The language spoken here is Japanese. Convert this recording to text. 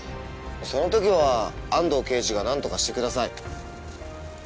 そのときは安堂刑事が何とかしてください。